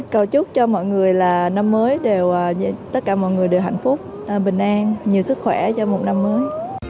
cầu chúc cho mọi người là năm mới đều tất cả mọi người đều hạnh phúc bình an nhiều sức khỏe cho một năm mới